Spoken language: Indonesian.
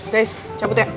guys cabut ya